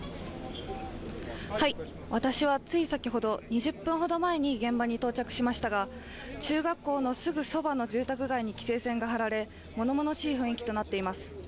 私はつい先ほど、２０分ほど前に現場に到着しましたが中学校のすぐそばの住宅街に規制線が張られものものしい雰囲気となっています。